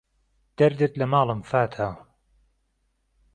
دهردت له ماڵم فاته